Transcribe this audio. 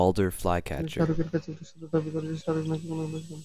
কিন্তু শাহরুখের কাছের একটি সূত্র দাবি করেছে, শাহরুখ নাকি কোনো নোটিশ পাননি।